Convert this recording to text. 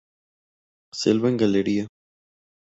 Selva en galería.